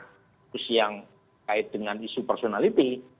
khusus yang kait dengan isu personality